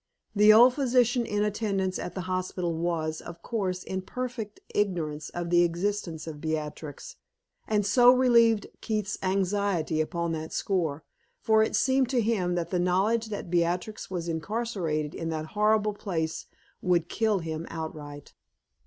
The old physician in attendance at the hospital was, of course, in perfect ignorance of the existence of Beatrix, and so relieved Keith's anxiety upon that score, for it seemed to him that the knowledge that Beatrix was incarcerated in that horrible place would kill him outright.